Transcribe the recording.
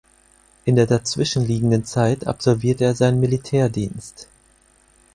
In der dazwischenliegenden Zeit absolvierte er seinen Militärdienst.